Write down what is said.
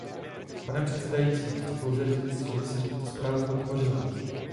Pane předsedající, chci pouze říct, že jsem tuto zprávu podpořila.